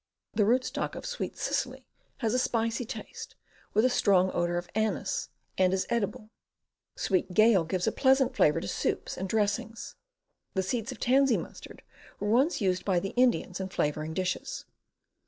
The rootstock of sweet cicely has a spicy taste, with a strong odor of anise, and is edible. Sweet gale gives a pleasant flavor to soups and dressings. The seeds of tansy mustard were used by the Indians in flavoring dishes.